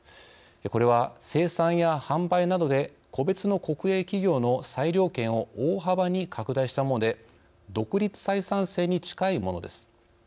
これは生産や販売などで個別の国営企業の裁量権を大幅に拡大したもので独立採算制に近いものです。